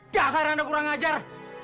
dasar anda kurang ngajar